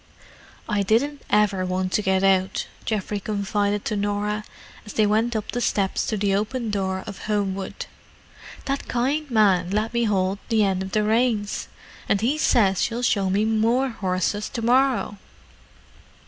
"I didn't ever want to get out," Geoffrey confided to Norah, as they went up the steps to the open door of Homewood. "That kind man let me hold the end of the reins. And he says he'll show me more horses to morrow."